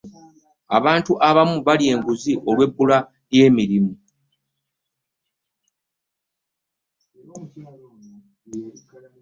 abantu abamu balya enguzi lw'ebula ly'emirimu.